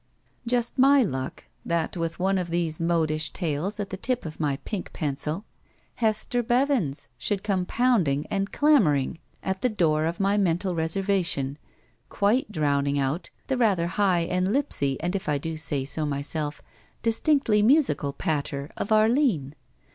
Just my luck that, with one of these modish tales at the tip of my pink pencil, Hester Bevins should come pounding and clamoring at the door of my men tal reservation, quite drowning out the rather high, the lipsy, and, if I do say it myself, distinctly musi cal patter of Arline.